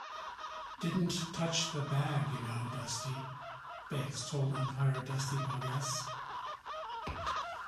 "Didn't touch the bag, you know, Dusty", Banks told umpire Dusty Boggess.